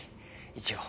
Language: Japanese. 一応。